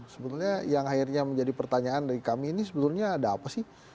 sebetulnya yang akhirnya menjadi pertanyaan dari kami ini sebelumnya ada apa sih